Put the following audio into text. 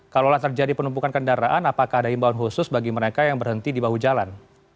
kalau terjadi penumpukan kendaraan apakah ada imbauan khusus bagi mereka yang berhenti di bahu jalan